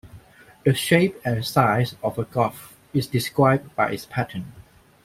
The shape and size of a glove is described by its pattern.